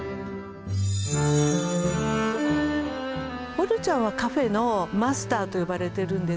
オルちゃんはカフェのマスターと呼ばれてるんです。